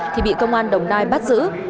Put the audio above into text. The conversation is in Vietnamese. thì bị công an đồng nai bắt giữ